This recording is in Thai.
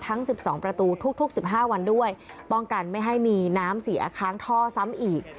ทั้ง๑๒ประตูทุกทุกสิบห้าวันด้วยป้องกันไม่ให้มีน้ำเสียค้างท่อซ้ำอีก